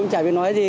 cũng chả biết nói gì